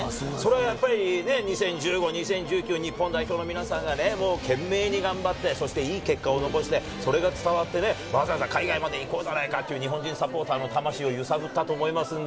それはやっぱり２０１５年、２０１９年に日本代表の皆さんが懸命に頑張っていい結果を残して、それが伝わって、海外まで行こうじゃないかという日本人サポーターの魂を揺さぶったと思います。